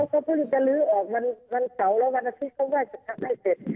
ก็เพิ่งจะลื้อออกวันเสาร์แล้ววันอาทิตย์เขาว่าจะทำให้เสร็จ